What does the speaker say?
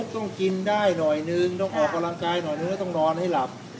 ต้องกินได้หน่อยนึงต้องออกกำลังกายหน่อยเนื้อต้องนอนให้หลับ